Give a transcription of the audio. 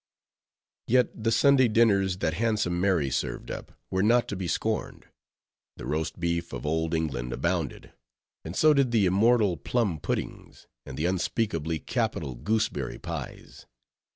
Yet the Sunday dinners that Handsome Mary served up were not to be scorned. The roast beef of Old England abounded; and so did the immortal plum puddings, and the unspeakably capital gooseberry pies.